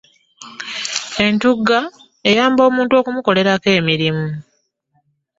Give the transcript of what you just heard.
Entugga, eyamba omuntu okumukolerako emirimu.